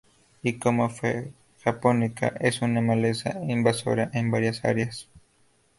Y, como "F. japonica", es una maleza invasora en varias áreas.